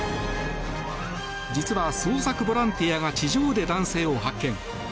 実は、捜索ボランティアが地上で男性を発見。